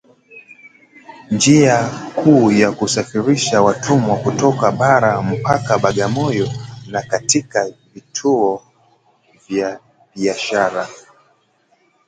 njia kuu ya kusafirishia watumwa kutoka Bara mpaka Bagamoyo na katika vituo vya biashara